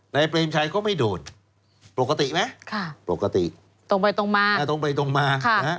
ในเปรมชัยก็ไม่โดนปกติไหมปกติตรงไปตรงมา